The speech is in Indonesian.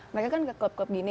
mereka kan kekelop kelop gini